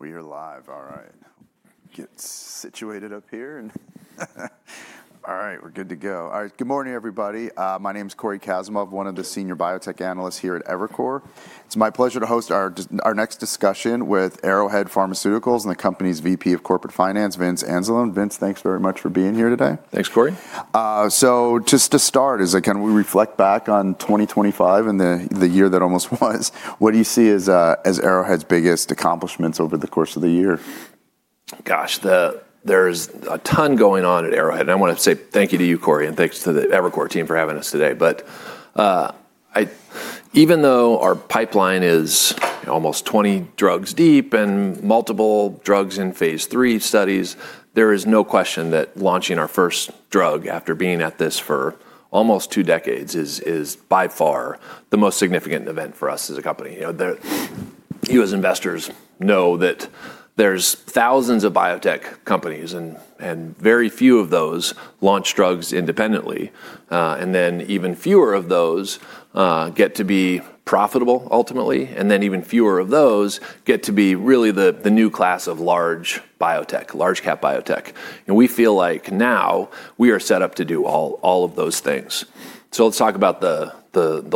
We are live. All right, get situated up here. All right, we're good to go. All right, good morning, everybody. My name is Cory Kasimov, one of the senior managing director here at Evercore ISI. It's my pleasure to host our next discussion with Arrowhead Pharmaceuticals and the company's VP of Investor Relations, Vincent Anzalone. Vincent, thanks very much for being here today. Thanks, Cory. So just to start, as I kind of reflect back on 2025 and the year that almost was, what do you see as Arrowhead's biggest accomplishments over the course of the year? Gosh, there's a ton going on at Arrowhead. I want to say thank you to you, Cory, and thanks to the Evercore ISI team for having us today. But even though our pipeline is almost 20 drugs deep and multiple drugs in Phase 3 studies, there is no question that launching our first drug after being at this for almost two decades is by far the most significant event for us as a company. You as investors know that there's thousands of biotech companies, and very few of those launch drugs independently. And then even fewer of those get to be profitable ultimately. And then even fewer of those get to be really the new class of large biotech, large cap biotech. And we feel like now we are set up to do all of those things. So let's talk about the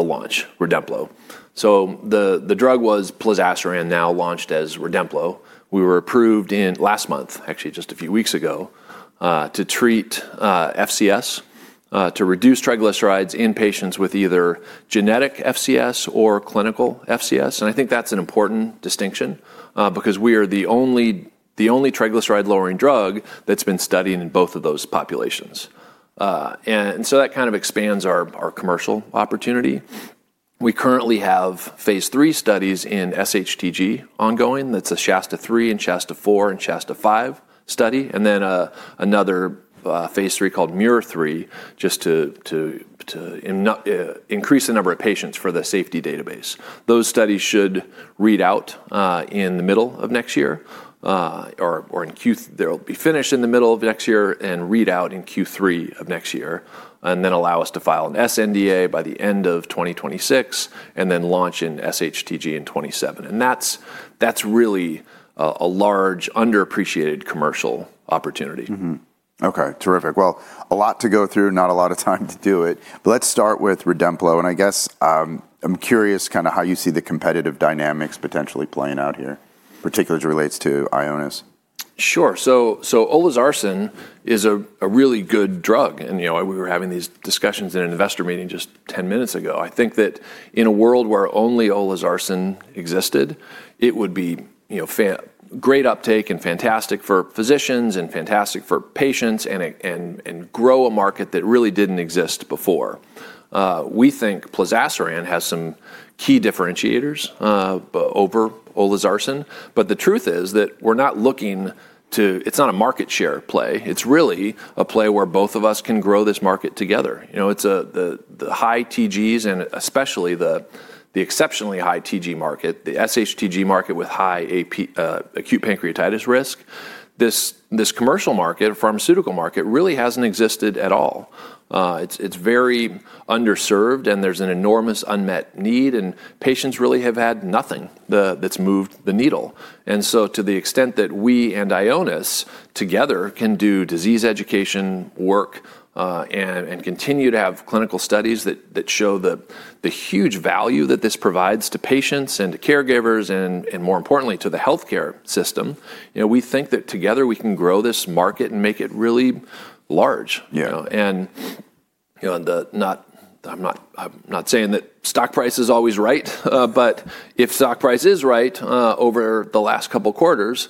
launch, Redemplo. The drug was plozasiran, now launched as Redemplo. We were approved last month, actually just a few weeks ago, to treat FCS, to reduce triglycerides in patients with either genetic FCS or clinical FCS. And I think that's an important distinction because we are the only triglyceride-lowering drug that's been studied in both of those populations. And so that kind of expands our commercial opportunity. We currently have Phase 3 studies in SHTG ongoing. That's a SHASTA-3 and SHASTA-4 and SHASTA-5 study. And then another Phase 3 called MUIR, just to increase the number of patients for the safety database. Those studies should read out in the middle of next year or in Q. They'll be finished in the middle of next year and read out in Q3 of next year, and then allow us to file an sNDA by the end of 2026, and then launch in SHTG in 2027, and that's really a large, underappreciated commercial opportunity. Okay, terrific. Well, a lot to go through, not a lot of time to do it. But let's start with Redemplo. And I guess I'm curious kind of how you see the competitive dynamics potentially playing out here, particularly as it relates to Ionis. Sure. So olezarsen is a really good drug. And we were having these discussions in an investor meeting just 10 minutes ago. I think that in a world where only olezarsen existed, it would be great uptake and fantastic for physicians and fantastic for patients and grow a market that really didn't exist before. We think plozasiran has some key differentiators over olezarsen. But the truth is that we're not looking to. It's not a market share play. It's really a play where both of us can grow this market together. It's the high TGs and especially the exceptionally high TG market, the SHTG market with high acute pancreatitis risk. This commercial market, pharmaceutical market, really hasn't existed at all. It's very underserved, and there's an enormous unmet need. And patients really have had nothing that's moved the needle. And so to the extent that we and Ionis together can do disease education work and continue to have clinical studies that show the huge value that this provides to patients and to caregivers and, more importantly, to the health care system, we think that together we can grow this market and make it really large. And I'm not saying that stock price is always right, but if stock price is right over the last couple of quarters,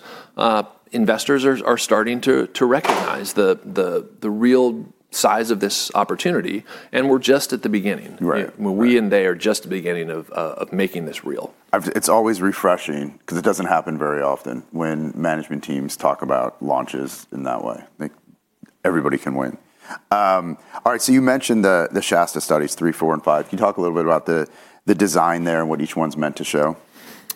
investors are starting to recognize the real size of this opportunity. And we're just at the beginning. We and they are just at the beginning of making this real. It's always refreshing because it doesn't happen very often when management teams talk about launches in that way. Everybody can win. All right, so you mentioned the SHASTA studies, three, four, and five. Can you talk a little bit about the design there and what each one's meant to show?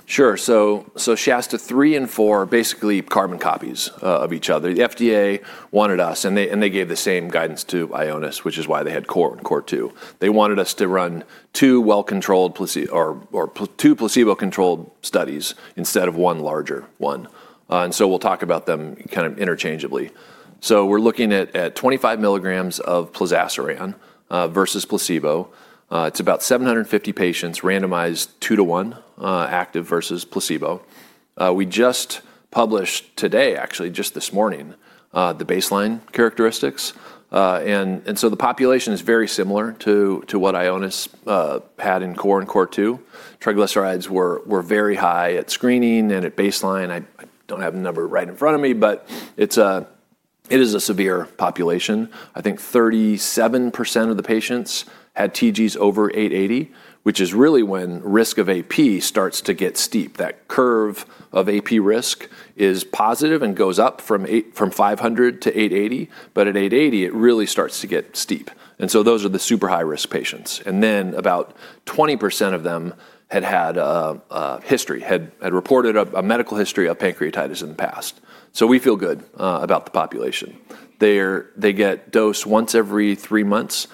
Sure, so SHASTA-3 and SHASTA-4 are basically carbon copies of each other. The FDA wanted us, and they gave the same guidance to Ionis, which is why they had CORE and CORE2. They wanted us to run two well-controlled or two placebo-controlled studies instead of one larger one, and so we'll talk about them kind of interchangeably, so we're looking at 25 mgs of plozasiran versus placebo. It's about 750 patients, randomized two to one active versus placebo. We just published today, actually just this morning, the baseline characteristics, and so the population is very similar to what Ionis had in CORE and CORE2. Triglycerides were very high at screening and at baseline. I don't have the number right in front of me, but it is a severe population. I think 37% of the patients had TGs over 880, which is really when risk of AP starts to get steep. That curve of AP risk is positive and goes up from 500 to 880. But at 880, it really starts to get steep. And so those are the super high-risk patients. And then about 20% of them had had history, had reported a medical history of pancreatitis in the past. So we feel good about the population. They get dose once every three months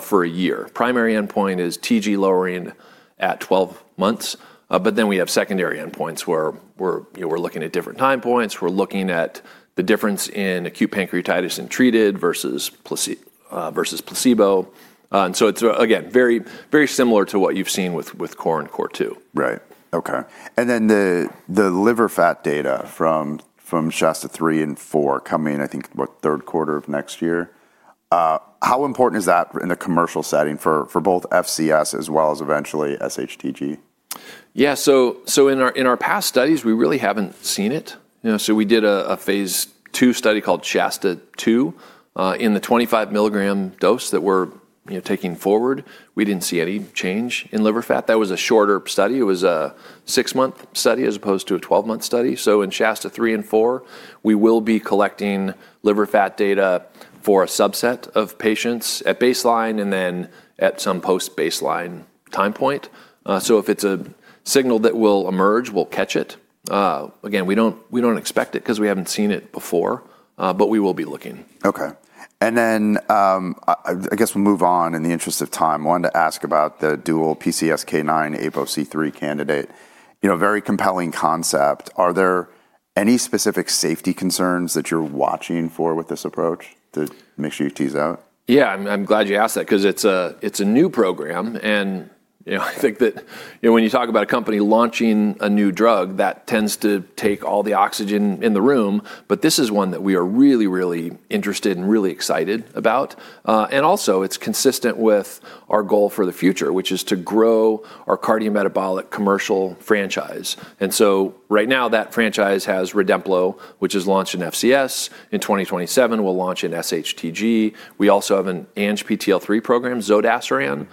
for a year. Primary endpoint is TG lowering at 12 months. But then we have secondary endpoints where we're looking at different time points. We're looking at the difference in acute pancreatitis and treated versus placebo. And so it's, again, very similar to what you've seen with CORE and CORE2. Right. Okay. And then the liver fat data from SHASTA-3 and SHASTA-4 coming, I think, about third quarter of next year. How important is that in a commercial setting for both FCS as well as eventually SHTG? Yeah, so in our past studies, we really haven't seen it, so we did a Phase 2 study called SHASTA-2 in the 25 mg dose that we're taking forward. We didn't see any change in liver fat. That was a shorter study. It was a six-month study as opposed to a 12-month study, so in SHASTA-3 and SHASTA-4, we will be collecting liver fat data for a subset of patients at baseline and then at some post-baseline time point, so if it's a signal that will emerge, we'll catch it. Again, we don't expect it because we haven't seen it before, but we will be looking. Okay. And then I guess we'll move on in the interest of time. I wanted to ask about the dual PCSK9, ApoC-III candidate. Very compelling concept. Are there any specific safety concerns that you're watching for with this approach to make sure you tease out? Yeah, I'm glad you asked that because it's a new program, and I think that when you talk about a company launching a new drug, that tends to take all the oxygen in the room, but this is one that we are really, really interested and really excited about, and also, it's consistent with our goal for the future, which is to grow our cardiometabolic commercial franchise, and so right now, that franchise has Redemplo, which is launched in FCS. In 2027, we'll launch in SHTG. We also have an ANGPTL3 program, zodasiran,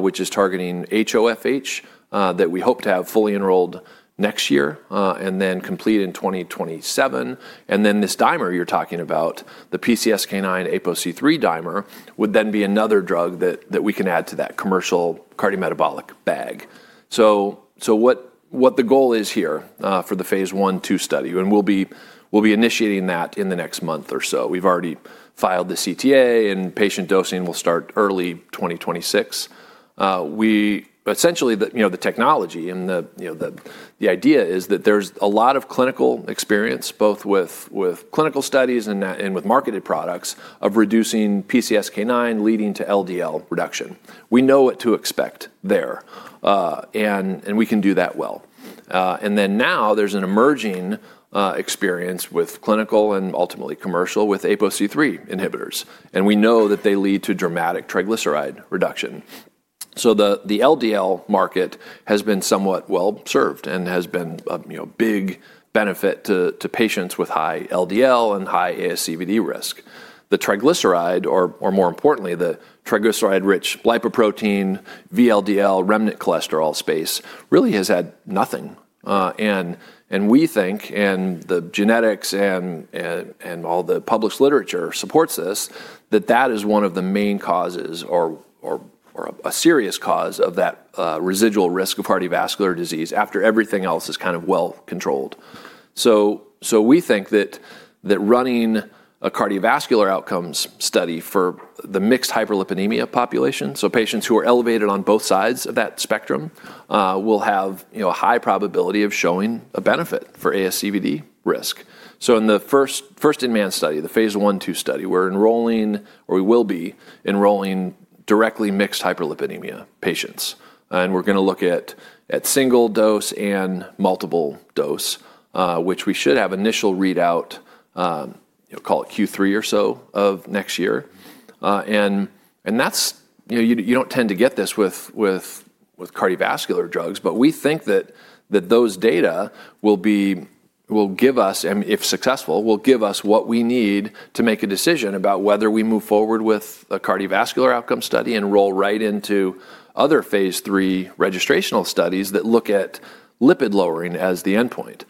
which is targeting HoFH that we hope to have fully enrolled next year and then complete in 2027, and then this dimer you're talking about, the PCSK9 ApoC-III dimer, would then be another drug that we can add to that commercial cardiometabolic bag. So what the goal is here for the Phase 1/2 study, and we'll be initiating that in the next month or so. We've already filed the CTA, and patient dosing will start early 2026. Essentially, the technology and the idea is that there's a lot of clinical experience, both with clinical studies and with marketed products of reducing PCSK9 leading to LDL reduction. We know what to expect there, and we can do that well. And then now there's an emerging experience with clinical and ultimately commercial with ApoC-III inhibitors. And we know that they lead to dramatic triglyceride reduction. So the LDL market has been somewhat well served and has been a big benefit to patients with high LDL and high ASCVD risk. The triglyceride, or more importantly, the triglyceride-rich lipoprotein VLDL remnant cholesterol space really has had nothing. We think, and the genetics and all the published literature supports this, that that is one of the main causes or a serious cause of that residual risk of cardiovascular disease after everything else is kind of well controlled. So we think that running a cardiovascular outcomes study for the mixed hyperlipidemia population, so patients who are elevated on both sides of that spectrum, will have a high probability of showing a benefit for ASCVD risk. So in the first-in-man study, the Phase 1/2 study, we're enrolling, or we will be enrolling directly mixed hyperlipidemia patients. We're going to look at single dose and multiple dose, which we should have initial readout, call it Q3 or so of next year. You don't tend to get this with cardiovascular drugs, but we think that those data will give us, and if successful, will give us what we need to make a decision about whether we move forward with a cardiovascular outcome study and roll right into other Phase 3 registrational studies that look at lipid lowering as the endpoint.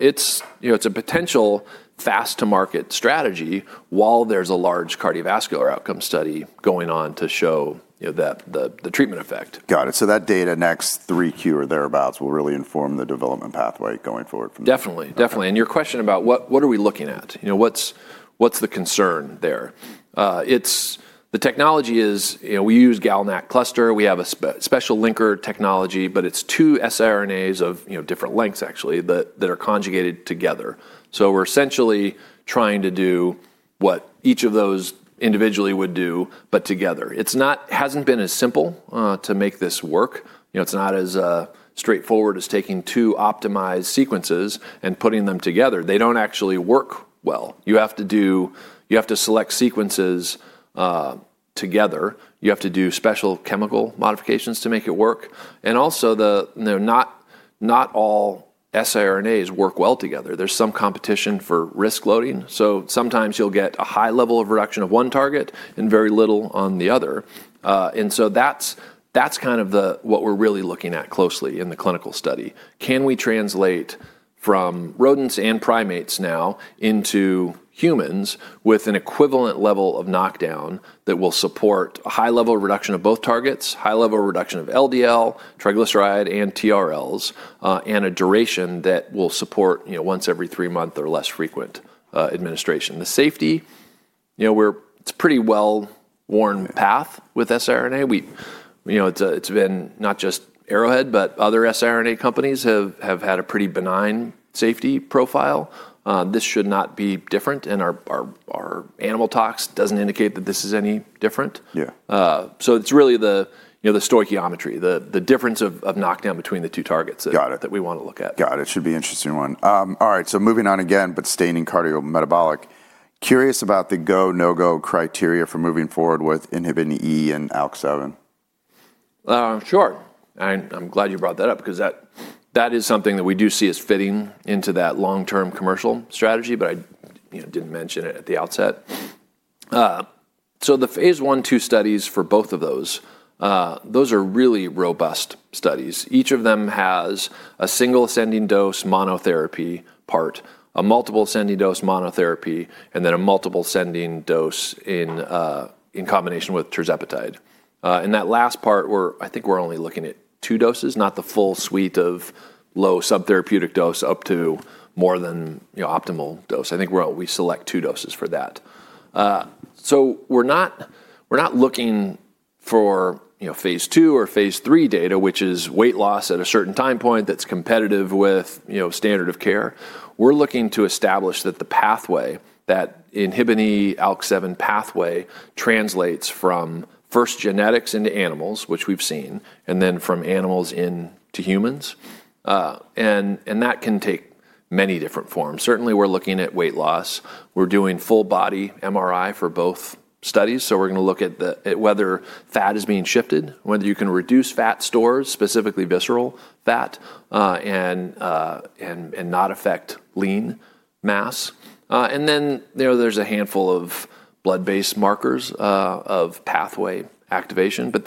It's a potential fast-to-market strategy while there's a large cardiovascular outcome study going on to show the treatment effect. Got it. So that data next Q3 or thereabouts will really inform the development pathway going forward. Definitely. Definitely. And your question about what are we looking at, what's the concern there. The technology is we use GalNAc cluster. We have a special linker technology, but it's two siRNAs of different lengths, actually, that are conjugated together. So we're essentially trying to do what each of those individually would do, but together. It hasn't been as simple to make this work. It's not as straightforward as taking two optimized sequences and putting them together. They don't actually work well. You have to select sequences together. You have to do special chemical modifications to make it work. And also, not all siRNAs work well together. There's some competition for RISC loading. So sometimes you'll get a high level of reduction of one target and very little on the other. And so that's kind of what we're really looking at closely in the clinical study. Can we translate from rodents and primates now into humans with an equivalent level of knockdown that will support a high level of reduction of both targets, high level of reduction of LDL, triglyceride, and TRLs, and a duration that will support once every three months or less frequent administration? The safety, it's a pretty well-worn path with siRNA. It's been not just Arrowhead, but other siRNA companies have had a pretty benign safety profile. This should not be different, and our animal tox doesn't indicate that this is any different, so it's really the stoichiometry, the difference of knockdown between the two targets that we want to look at. Got it. It should be an interesting one. All right, so moving on again, but staying in cardiometabolic. Curious about the go, no-go criteria for moving forward with INHBE and ALK7. Sure. I'm glad you brought that up because that is something that we do see as fitting into that long-term commercial strategy, but I didn't mention it at the outset. So the Phase 1/2 studies for both of those, those are really robust studies. Each of them has a single ascending dose monotherapy part, a multiple ascending dose monotherapy, and then a multiple ascending dose in combination with tirzepatide. And that last part, I think we're only looking at two doses, not the full suite of low subtherapeutic dose up to more than optimal dose. I think we select two doses for that. So we're not looking for Phase 2 or Phase 3 data, which is weight loss at a certain time point that's competitive with standard of care. We're looking to establish that the pathway, that INHBE ALK7 pathway translates from first genetics into animals, which we've seen, and then from animals into humans. And that can take many different forms. Certainly, we're looking at weight loss. We're doing full body MRI for both studies. So we're going to look at whether fat is being shifted, whether you can reduce fat stores, specifically visceral fat, and not affect lean mass. And then there's a handful of blood-based markers of pathway activation. But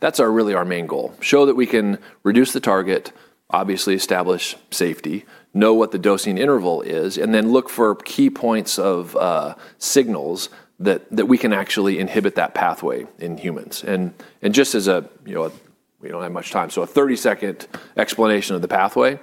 that's really our main goal. Show that we can reduce the target, obviously establish safety, know what the dosing interval is, and then look for key points of signals that we can actually inhibit that pathway in humans. And just as we don't have much time, so a 30-second explanation of the pathway.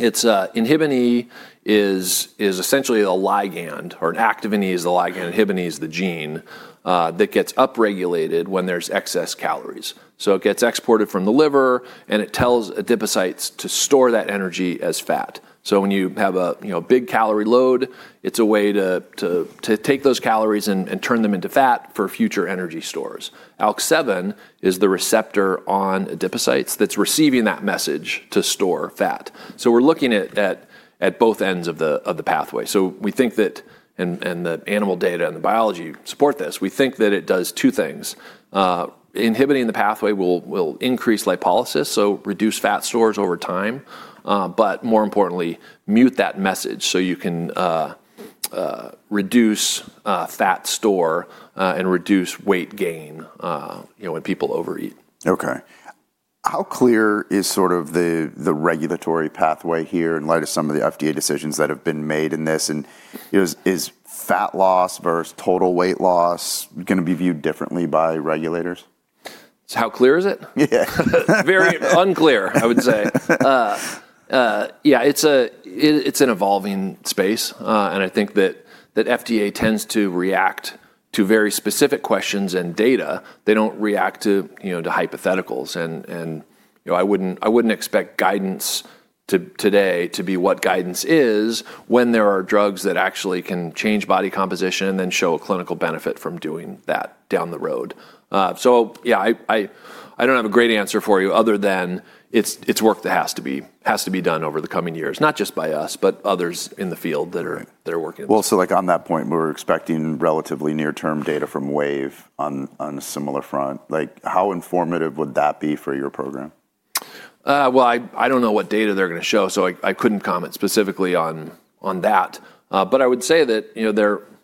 INHBE is essentially a ligand, or an activin E is the ligand. INHBE is the gene that gets upregulated when there's excess calories. So it gets exported from the liver, and it tells adipocytes to store that energy as fat. So when you have a big calorie load, it's a way to take those calories and turn them into fat for future energy stores. ALK7 is the receptor on adipocytes that's receiving that message to store fat. So we're looking at both ends of the pathway. So we think that, and the animal data and the biology support this, we think that it does two things. INHBE the pathway will increase lipolysis, so reduce fat stores over time, but more importantly, mute that message so you can reduce fat store and reduce weight gain when people overeat. Okay. How clear is sort of the regulatory pathway here in light of some of the FDA decisions that have been made in this, and is fat loss versus total weight loss going to be viewed differently by regulators? How clear is it? Yeah. Very unclear, I would say. Yeah, it's an evolving space, and I think that FDA tends to react to very specific questions and data. They don't react to hypotheticals, and I wouldn't expect guidance today to be what guidance is when there are drugs that actually can change body composition and then show a clinical benefit from doing that down the road, so yeah, I don't have a great answer for you other than it's work that has to be done over the coming years, not just by us, but others in the field that are working on it. Well, so on that point, we're expecting relatively near-term data from Wave on a similar front. How informative would that be for your program? I don't know what data they're going to show, so I couldn't comment specifically on that. I would say that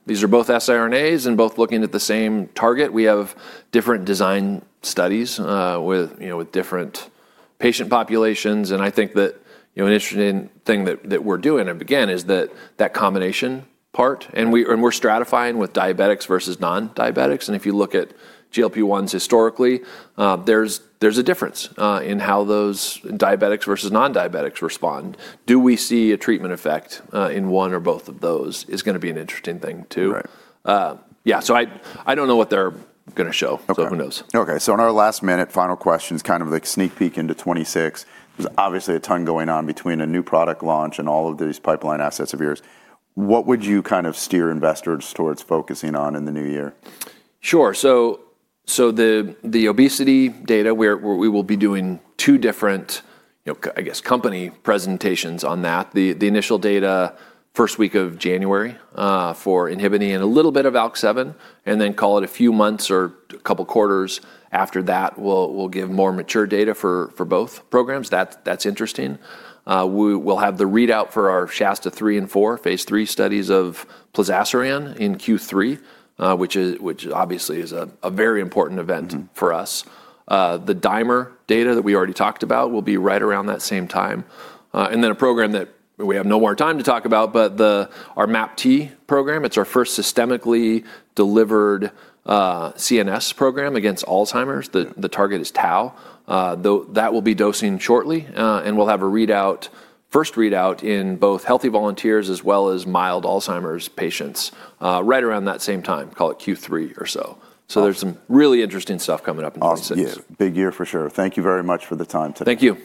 these are both siRNAs and both looking at the same target. We have different design studies with different patient populations. I think that an interesting thing that we're doing, again, is that combination part. We're stratifying with diabetics versus non-diabetics. If you look at GLP-1s historically, there's a difference in how those diabetics versus non-diabetics respond. Do we see a treatment effect in one or both of those? Is going to be an interesting thing too. Yeah, so I don't know what they're going to show, so who knows. Okay, so in our last minute, final questions, kind of like a sneak peek into 2026. There's obviously a ton going on between a new product launch and all of these pipeline assets of yours. What would you kind of steer investors towards focusing on in the new year? Sure. So the obesity data, we will be doing two different, I guess, company presentations on that. The initial data, first week of January for INHBE and a little bit of ALK7, and then call it a few months or a couple of quarters after that, we'll give more mature data for both programs. That's interesting. We'll have the readout for our SHASTA-3 and SHASTA-4, Phase 3 studies of plozasiran in Q3, which obviously is a very important event for us. The dimer data that we already talked about will be right around that same time. And then a program that we have no more time to talk about, but our MAPT program, it's our first systemically delivered CNS program against Alzheimer's. The target is tau. That will be dosing shortly. We'll have a readout, first readout in both healthy volunteers as well as mild Alzheimer's patients right around that same time, call it Q3 or so. There's some really interesting stuff coming up in 2026. Awesome. Big year for sure. Thank you very much for the time today. Thank you.